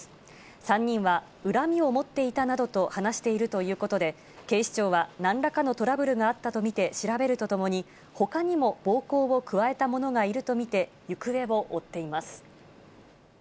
３人は恨みを持っていたなどと話しているということで、警視庁はなんらかのトラブルがあったと見て調べるとともに、ほかにも暴行を加えた者がいると見て、行方を追っています。